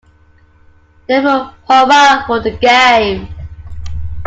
Therefore, hurrah for the game.